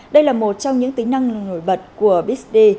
đây là một trong những tính năng nổi bật của bid